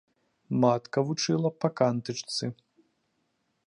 Матка вучыла па кантычцы.